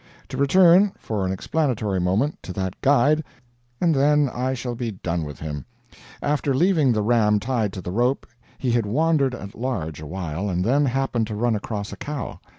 To return, for an explanatory moment, to that guide, and then I shall be done with him. After leaving the ram tied to the rope, he had wandered at large a while, and then happened to run across a cow.